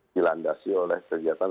dilandasi oleh kegiatan